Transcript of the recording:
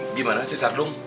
eh gimana sih sardung